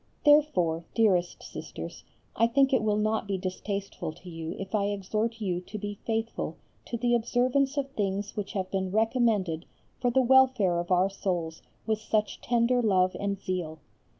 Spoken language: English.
Therefore, dearest Sisters, I think it will not be distasteful to you if I exhort you to be faithful to the observance of things which have been recommended for the welfare of our souls with such tender love and zeal.